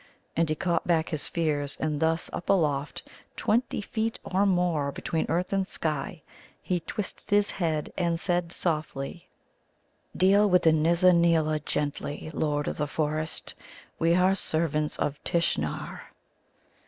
And he caught back his fears, and thus, up aloft, twenty feet or more between earth and sky, he twisted his head and said softly: "Deal with the Nizza neela gently, Lord of the Forest; we are servants of Tishnar."